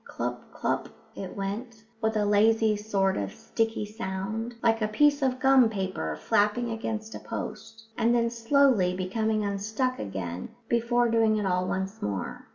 Clup, clup it went, with a lazy sort of sticky sound, like a piece of gum paper flapping against a post, and then slowly becoming unstuck again before doing it all once more.